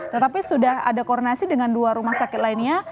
tetapi sudah ada koordinasi dengan dua rumah sakit lainnya